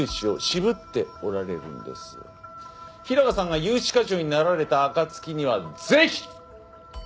平賀さんが融資課長になられた暁にはぜひ！